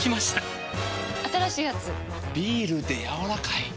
ビールでやわらかい。